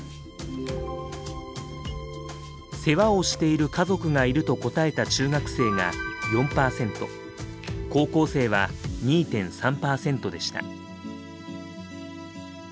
世話をしている家族がいると答えた中学生が４％高校生は２．３％でした。